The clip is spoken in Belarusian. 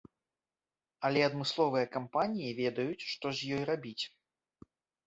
Але адмысловыя кампаніі ведаюць, што з ёй рабіць.